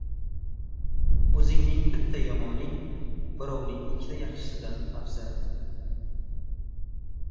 • O‘zingning bitta yomoning birovning ikkita yaxshisidan afzal.